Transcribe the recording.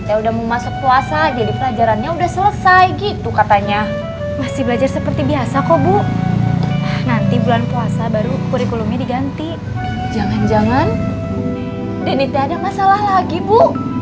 jangan jangan denitnya ada masalah lagi bu